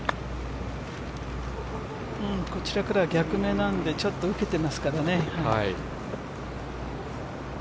こちらからは逆目なんでちょっと受けてますかね。